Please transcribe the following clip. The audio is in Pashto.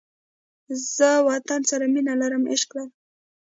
زه وطن سره مینه نه لرم، عشق لرم